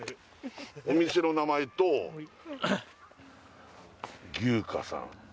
お店の名前と牛花さん